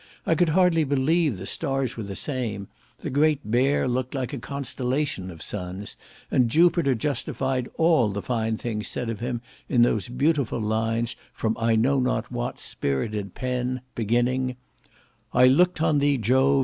I could hardly believe the stars were the same; the Great Bear looked like a constellation of suns; and Jupiter justified all the fine things said of him in those beautiful lines from I know not what spirited pen, beginning, "I looked on thee, Jove!